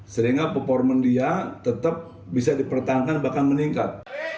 sehingga performa dia tetap bisa dipertahankan bahkan meningkat